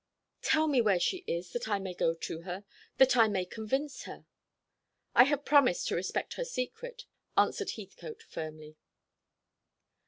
"Tell me where she is, that I may go to her that I may convince her." "I have promised to respect her secret," answered Heathcote firmly.